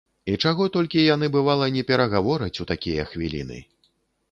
І чаго толькі яны, бывала, не перагавораць у такія хвіліны!